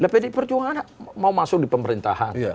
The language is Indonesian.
pdi perjuangan mau masuk di pemerintahan